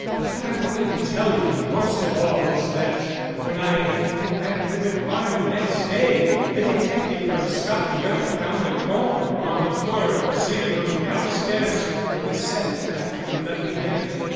"What I wanted to tell you most of all is that, when I went back to Cliff Farm the next day, the detective from Scotland Yard found a comb on the floor of the sitting room downstairs where we sat after you let me in."